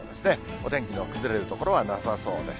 お天気の崩れる所はなさそうです。